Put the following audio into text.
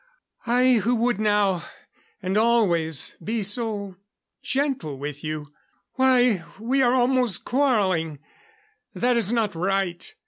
I who would now and always be so gentle with you why we are almost quarreling! That is not right.